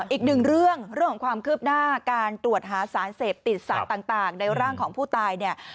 อีกหนึ่งเรื่องของความคืบหน้าการตรวจหาสารเสพติดสารต่างในร่างของผู้ตายเนี่ย